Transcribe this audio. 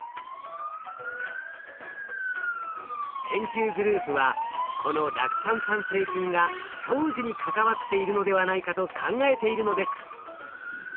研究グループはこの酪酸産生菌が長寿に関わっているのではないかと考えているのです。